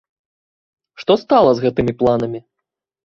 Што стала з гэтымі планамі?